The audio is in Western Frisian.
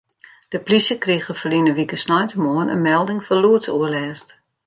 De polysje krige ferline wike sneintemoarn in melding fan lûdsoerlêst.